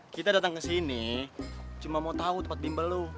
kita datang kesini cuma mau tau tempat bimbel lo